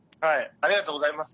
ありがとうございます。